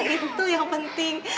itu yang penting